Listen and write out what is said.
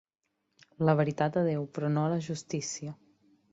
La veritat a Déu, però no a la justícia.